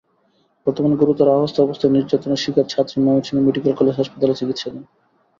বর্তমানে গুরুতর আহত অবস্থায় নির্যাতনের শিকার ছাত্রী ময়মনসিংহ মেডিকেল কলেজ হাসপাতালে চিকিৎসাধীন।